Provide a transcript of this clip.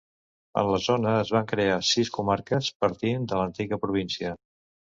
En la zona, es van crear sis comarques partint de l'antiga província.